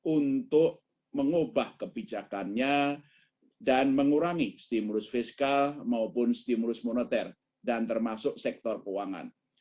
untuk mengubah kebijakannya dan mengurangi stimulus fiskal maupun stimulus moneter dan termasuk sektor keuangan